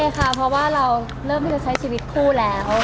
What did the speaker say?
ใช่ค่ะเพราะว่าเราเริ่มที่จะใช้ชีวิตคู่แล้ว